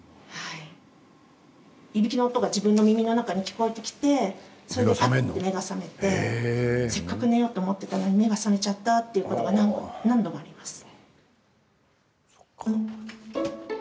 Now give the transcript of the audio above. いびきの音が自分の耳の中に聞こえてきてそれで、ぱって目が覚めてせっかく寝ようと思ってたのに目が覚めちゃったっていうことが何度もあります。